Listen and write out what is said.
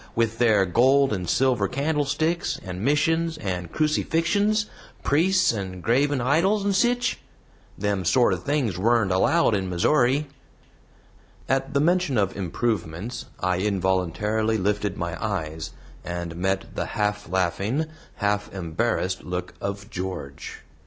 With their gold and silver candlesticks, and missions, and crucifixens, priests and graven idols, and sich? Them sort things wurent allowed in Mizzoori." At the mention of improvements, I involuntarily lifted my eyes, and met the half laughing, half embarrassed look of George.